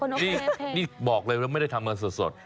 นี่บอกเลยแล้วไม่ได้ทำมาสด